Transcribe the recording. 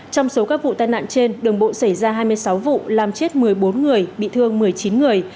trong số các vụ tai nạn trên đường bộ xảy ra hai mươi sáu vụ làm chết một mươi bốn người bị thương một mươi chín người